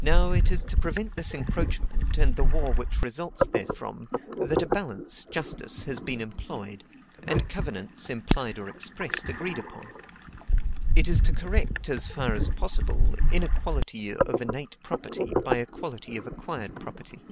Now, it is to prevent this encroachment and the war which results therefrom, that a balance (justice) has been employed, and covenants (implied or expressed) agreed upon: it is to correct, as far as possible, inequality of innate property by equality of acquired property.